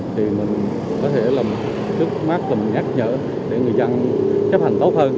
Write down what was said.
thì mình có thể làm chút mát làm nhát nhở để người dân chấp hành tốt hơn